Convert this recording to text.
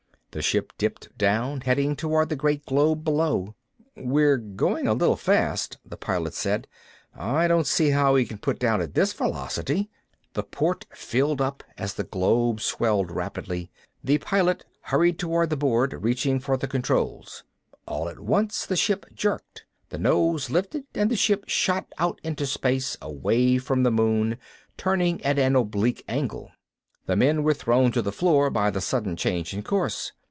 The ship dipped down, heading toward the great globe below. "We're going a little fast," the Pilot said. "I don't see how he can put down at this velocity." The port filled up, as the globe swelled rapidly. The Pilot hurried toward the board, reaching for the controls. All at once the ship jerked. The nose lifted and the ship shot out into space, away from the moon, turning at an oblique angle. The men were thrown to the floor by the sudden change in course.